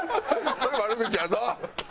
それは悪口やぞ！